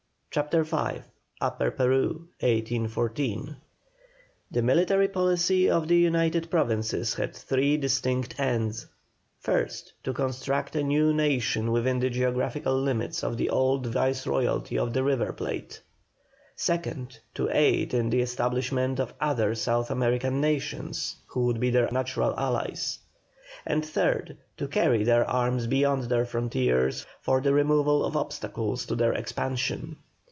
CHAPTER V UPPER PERU. 1814. The military policy of the United Provinces had three distinct ends: first, to construct a new nation within the geographical limits of the old Viceroyalty of the River Plate; second, to aid in the establishment of other South American nations, who would be their natural allies; and third, to carry their arms beyond their frontiers for the removal of obstacles to their expansion.